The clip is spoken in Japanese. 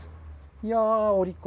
いやー、お利口。